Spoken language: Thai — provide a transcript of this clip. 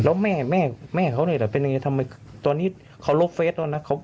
แล้วแม่แม่เขานี่แหละเป็นยังไงทำไมตอนนี้เขาลบเฟสแล้วนะ